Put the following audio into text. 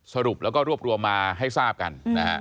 สรุปและรวบรวมมาให้ทราบกัน